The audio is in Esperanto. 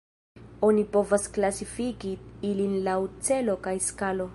Oni povas klasifiki ilin laŭ celo kaj skalo.